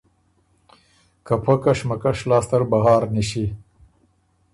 که پۀ کشمکش لاسته ر بهر نِݭی